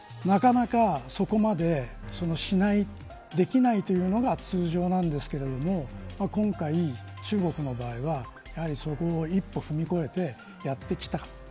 なかなかそこまでしないできないというのが通常なんですが今回、中国の場合はそこを一歩踏み越えてやってきた。